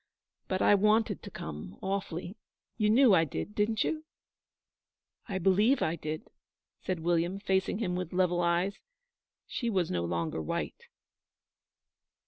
But I wanted to come awfully. You knew I did, didn't you?' 'I believe I did,' said William, facing him with level eyes. She was no longer white.